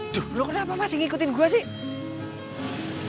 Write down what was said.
dulu kenapa masih ngikutin gue sih